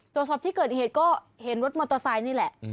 ตรวจสอบที่เกิดเหตุก็เห็นรถมอเตอร์ไซค์นี่แหละ